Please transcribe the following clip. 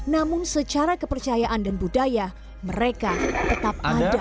namun secara kepercayaan dan budaya mereka tetap ada